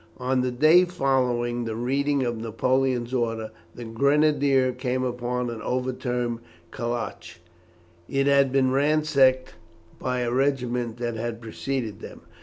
On the day following the reading of Napoleon's order, the grenadiers came upon an overturned caleche. It had been ransacked by a regiment that had preceded them.